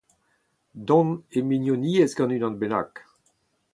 dont e mignoniezh gant unan bennak